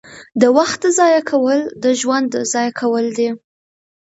• د وخت ضایع کول د ژوند ضایع کول دي.